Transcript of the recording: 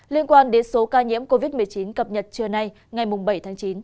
liên quan đến số ca nhiễm covid một mươi chín cập nhật trưa nay ngày bảy tháng chín